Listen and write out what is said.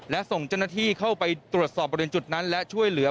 และส่งเจ้าหน้าที่เข้าไปตรวจสอบบริเวณจุดนั้นและช่วยเหลือ